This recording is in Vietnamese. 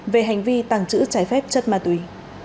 về hành vi tàng trữ trái phép chất ma túy